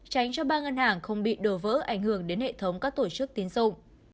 tránh cho ba ngân hàng không bị đổ vỡ ảnh hưởng đến hệ thống các tổ chức tiến dụng